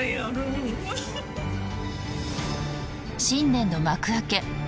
新年の幕開け。